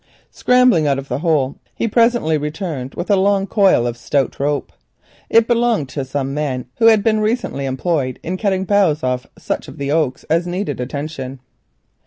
Scrambling out of the hole, he presently returned with a long coil of stout rope. It belonged to some men who had been recently employed in cutting boughs off such of the oaks that needed attention.